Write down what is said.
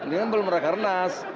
ini belum rakernas